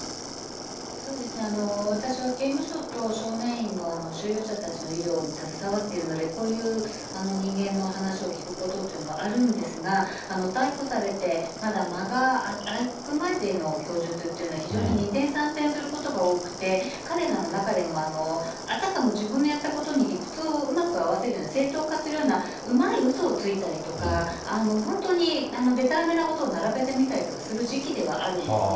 そうですね、私は刑務所と少年院の収容者たちの医療に携わっているので、こういう人間の話を聞くことっていうのもあるんですが、逮捕されてまだ間が空くまでの供述というのは、非常に二転三転することが多くて、彼らの中でもあたかも自分がやったことに理屈をうまく合わせるような、正当化するような、うまいうそをついたりとか、本当にでたらめなことを並べてみたりとかする時期ではあるんですね。